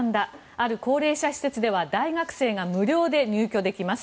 ある高齢者施設では大学生が無料で入居できます。